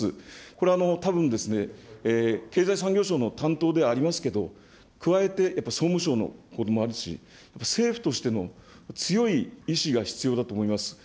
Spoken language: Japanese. これ、たぶんですね、経済産業省の担当ではありますけど、加えてやっぱり総務省のことでもあるし、政府としても強い意志が必要だと思います。